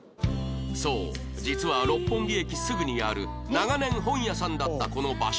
そう実は六本木駅すぐにある長年本屋さんだったこの場所は